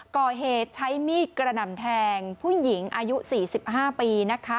ก่อเหตุใช้มีดกระหน่ำแทงผู้หญิงอายุ๔๕ปี